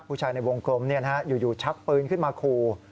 ผู้ชายในวงกลมอยู่ชับปืนขึ้นมาขู่